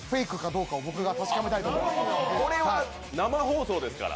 これは生放送ですから。